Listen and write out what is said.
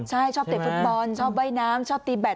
ใช่ชอบเตะฟุตบอลชอบว่ายน้ำชอบตีแบต